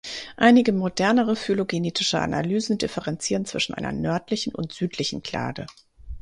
Einige modernere phylogenetische Analysen differenzieren zwischen einer „nördlichen“ und „südlichen Klade“.